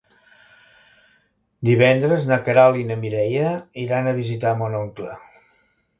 Divendres na Queralt i na Mireia iran a visitar mon oncle.